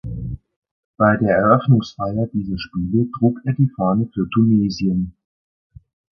Bei der Eröffnungsfeier dieser Spiele trug er die Fahne für Tunesien.